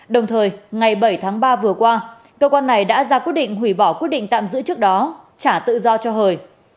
đồng thời ngày bảy tháng ba vừa qua cơ quan này đã ra quyết định hủy bỏ quyết định tạm giữ trước đó trả tự do cho hời